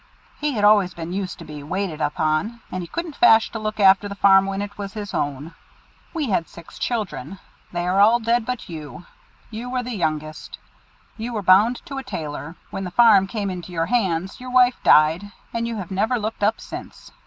He had always been used to be waited upon, and he couldn't fash to look after the farm when it was his own. We had six children. They are all dead but you, who were the youngest. You were bound to a tailor. When the farm came into your hands, your wife died, and you have never looked up since.